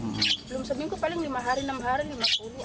belum seminggu paling lima hari enam hari lima puluh